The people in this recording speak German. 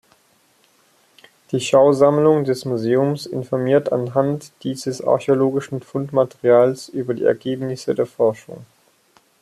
Die Schausammlung des Museums informiert anhand dieses archäologischen Fundmaterials über die Ergebnisse der Forschung.